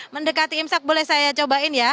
mendekati imsak boleh saya cobain ya